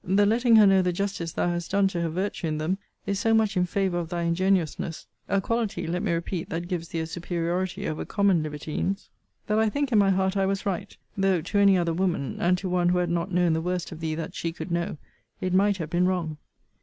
The letting her know the justice thou hast done to her virtue in them, is so much in favour of thy ingenuousness, (a quality, let me repeat, that gives thee a superiority over common libertines,) that I think in my heart I was right; though to any other woman, and to one who had not known the worst of thee that she could know, it might have been wrong.